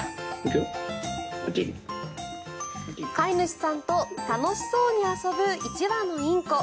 飼い主さんと楽しそうに遊ぶ１羽のインコ。